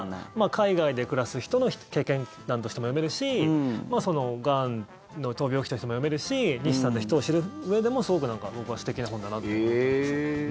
海外で暮らす人の経験談としても読めるしがんの闘病記としても読めるし西さんの人を知るうえでもすごく僕は素敵な本だなと思いますね。